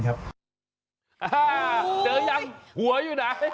เจอยังหัวอยู่ไหน